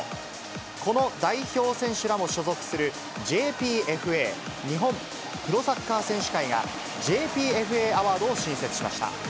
この代表選手らも所属する、ＪＰＦＡ・日本プロサッカー選手会が、ＪＰＦＡアワードを新設しました。